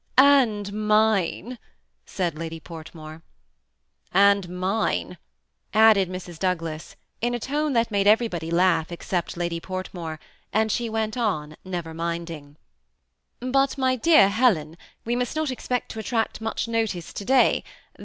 " And mine," said Lady Portmore. " And mine," added Mrs. Douglas, in a tone that made everybody laugh except Lady Portmore, and she went on, never minding. 188 THE 8BMI ATTACHBD COUPLE. '^ But, my dear Helen, we must not expect to attract much notice to day.